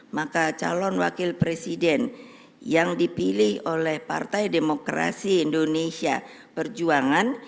maka calon wakil presiden yang dipilih oleh partai demokrasi indonesia perjuangan